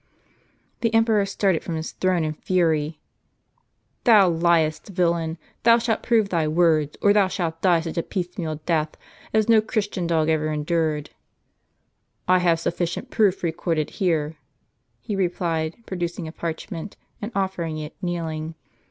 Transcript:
The emperor started from his throne in fury. " Thou liest, villain ! Thou shalt prove thy words, or thou shalt die such a piecemeal death, as no Christian dog ever endured." " I have sufficient proof recorded here," he replied, produc ing a parchment, and offering it, kneeling.